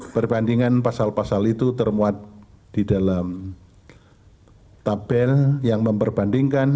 perbandingan pasal pasal itu termuat di dalam tabel yang memperbandingkan